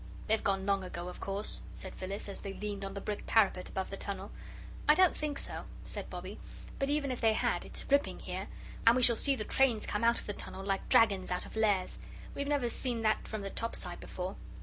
"They've gone long ago, of course," said Phyllis, as they leaned on the brick parapet above the tunnel. "I don't think so," said Bobbie, "but even if they had, it's ripping here, and we shall see the trains come out of the tunnel like dragons out of lairs. We've never seen that from the top side before."